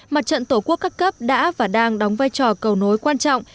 mặt trận tổ quốc các cấp đã và đang đóng vai trò cầu nối quan trọng